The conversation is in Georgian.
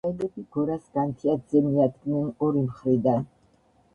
რომაელები გორას განთიადზე მიადგნენ ორი მხრიდან.